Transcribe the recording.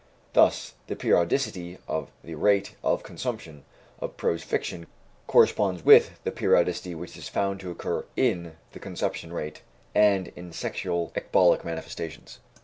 Thus, the periodicity of the rate of consumption of prose fiction corresponds with the periodicity which is found to occur in the conception rate and in sexual ecbolic manifestations.